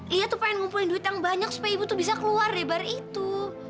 iya tuh pengen ngumpulin duit yang banyak supaya ibu tuh bisa keluar lebar itu